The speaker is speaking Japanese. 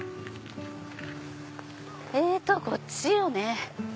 えっとこっちよね。